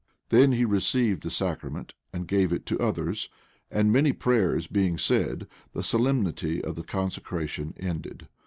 Then he received the sacrament, and gave it to others. And many prayers being said, the solemnity of the consecration ended.